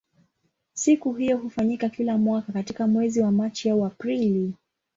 Siku hiyo hufanyika kila mwaka katika mwezi wa Machi au Aprili.